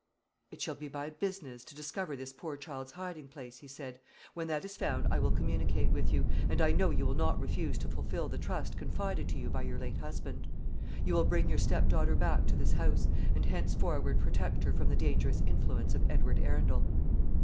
"It shall be my business to discover this poor child's hiding place," he said; "when that is found I will communicate with you, and I know you will not refuse to fulfil the trust confided to you by your late husband. You will bring your stepdaughter back to this house, and henceforward protect her from the dangerous influence of Edward Arundel."